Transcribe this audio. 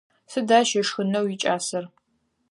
Сыда ащ ышхынэу икӏасэр?